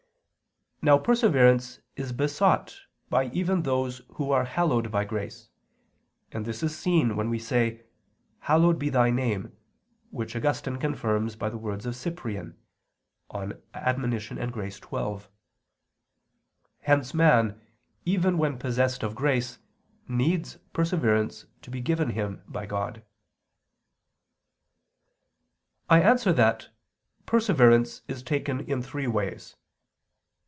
Now perseverance is besought by even those who are hallowed by grace; and this is seen, when we say "Hallowed be Thy name," which Augustine confirms by the words of Cyprian (De Correp. et Grat. xii). Hence man, even when possessed of grace, needs perseverance to be given to him by God. I answer that, Perseverance is taken in three ways.